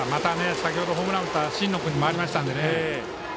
先ほどホームランを打った新野君に回りましたので。